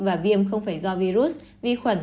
và viêm không phải do virus vi khuẩn